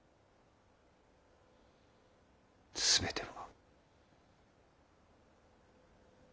全ては。